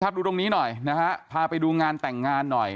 ดูตรงนี้หน่อยนะฮะพาไปดูงานแต่งงานหน่อย